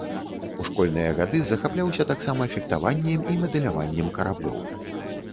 У школьныя гады захапляўся таксама фехтаваннем і мадэляваннем караблёў.